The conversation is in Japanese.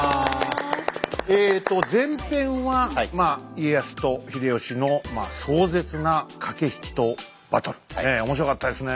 えと前編はまあ家康と秀吉の壮絶な駆け引きとバトル。ねえ面白かったですね。